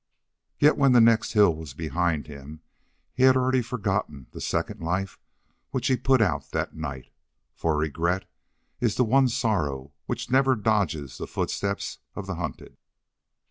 Yet, when the next hill was behind him, he had already forgotten the second life which he put out that night, for regret is the one sorrow which never dodges the footsteps of the hunted.